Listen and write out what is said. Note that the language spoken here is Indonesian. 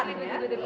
duh duh duh